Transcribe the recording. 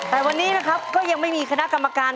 แต่วันนี้นะครับก็ยังไม่มีคณะกรรมการ